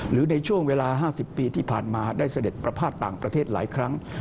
หรือในช่วงเวลา๕๐ปีที่ผ่านมาได้เสด็จประพาทต่างประเทศหลายครั้ง